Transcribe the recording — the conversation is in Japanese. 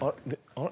あれ？